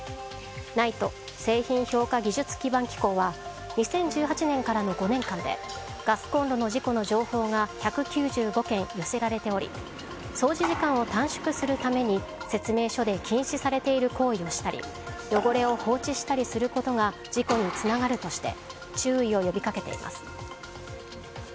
ＮＩＴＥ・製品評価技術基盤機構は２０１８年からの５年間でガスコンロの事故の情報が１９５件寄せられており掃除時間を短縮するために説明書で禁止されている行為をしたり汚れを放置したりすることが事故につながるとして注意を呼びかけています。